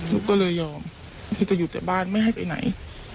ลูกก็เลยยอมที่จะอยู่แต่บ้านไม่ให้ไปไหน